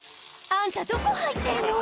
あんたどこ入ってんの⁉